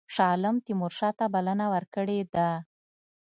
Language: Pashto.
شاه عالم تیمورشاه ته بلنه ورکړې ده.